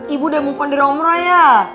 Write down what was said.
ibu udah mumpung dari omroh ya